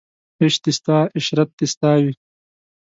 عیش دې ستا عشرت دې ستا وي